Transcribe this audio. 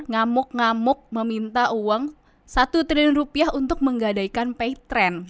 ngamuk ngamuk meminta uang satu triliun rupiah untuk menggadaikan pay trend